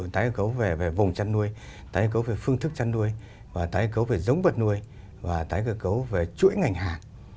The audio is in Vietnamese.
tái cơ cấu về vùng chăn nuôi tái cấu về phương thức chăn nuôi và tái cấu về giống vật nuôi và tái cơ cấu về chuỗi ngành hàng